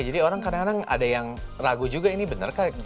jadi orang kadang kadang ada yang ragu juga ini bener kah